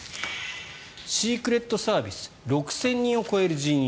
シークレットサービス６０００人を超える人員。